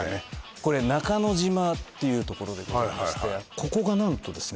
これ中の島っていうところでございましてここが何とですね